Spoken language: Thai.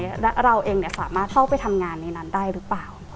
แล้วเราเองสามารถเข้าไปทำงานในนั้นได้หรือเปล่า